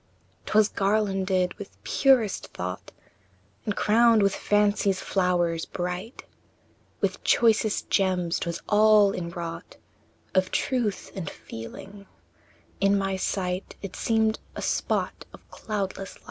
II. 'Twas garlanded with purest thought, And crowned with fancy's flowers bright, With choicest gems 'twas all inwrought Of truth and feeling; in my sight It seemed a spot of cloudless light.